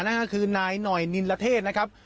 นั่นก็คือนายหน่อยนินละเทศนะครับ